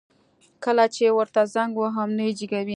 کله چي ورته زنګ وهم نه يي جګوي